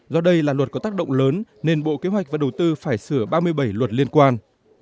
do đây là luật có tác động lớn nên bộ kế hoạch và đầu tư phải sửa ba mươi bảy luật liên quan